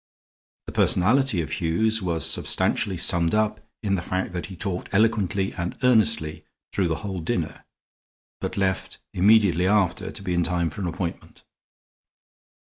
The personality of Hughes was substantially summed up in the fact that he talked eloquently and earnestly through the whole dinner, but left immediately after to be in time for an appointment.